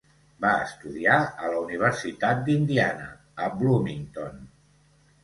Va estudiar a la universitat d'Indiana, a Bloomington.